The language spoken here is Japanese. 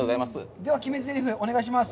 では、決めぜりふ、お願いします。